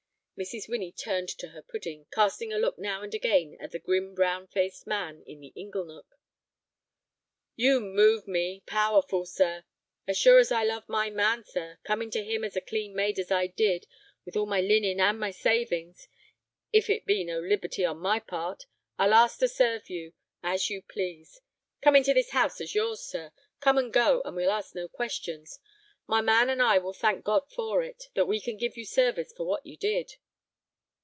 Mrs. Winnie turned to her pudding, casting a look now and again at the grim, brown faced man in the ingle nook. "You move me—powerful, sir. As sure as I love my man, sir, coming to him as a clean maid as I did, with all my linen and my savings, if it be no liberty on my part—I'll ask to serve you—as you please. Come into this house as yours, sir; come and go, and we'll ask no questions. My man and I will thank God for it, that we can give you service for what you did."